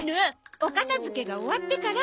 お片付けが終わってから。